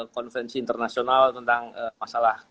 konferensi internasional tentang masalah